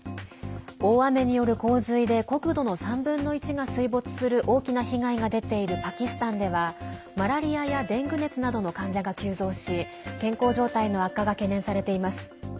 大雨による洪水で国土の３分の１が水没する大きな被害が出ているパキスタンではマラリアやデング熱などの患者が急増し健康状態の悪化が懸念されています。